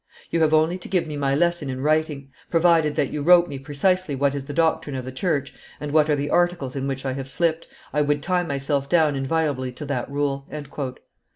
You have only to give me my lesson in writing; provided that you wrote me precisely what is the doctrine of the church, and what are the articles in which I have slipped, I would tie myself down inviolably to that rule."